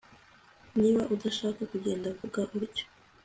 Niba udashaka kugenda vuga utyo